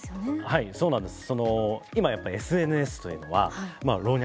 はいそうなんです。